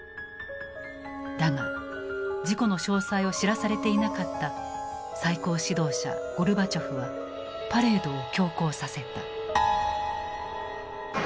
だが事故の詳細を知らされていなかった最高指導者ゴルバチョフはパレードを強行させた。